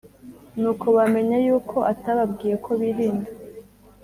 Nuko bamenya yuko atababwiye ko birinda